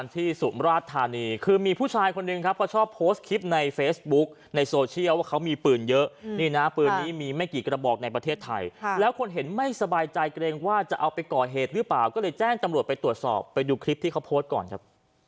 สุมราชธานีคือมีผู้ชายคนหนึ่งครับเขาชอบโพสต์คลิปในเฟซบุ๊กในโซเชียลว่าเขามีปืนเยอะนี่นะปืนนี้มีไม่กี่กระบอกในประเทศไทยแล้วคนเห็นไม่สบายใจเกรงว่าจะเอาไปก่อเหตุหรือเปล่าก็เลยแจ้งตำรวจไปตรวจสอบไปดูคลิปที่เขาโพสต์ก่อนครับ